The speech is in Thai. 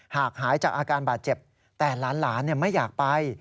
หากหายจากอาการบาดเจ็บแต่หลานไม่อยากไป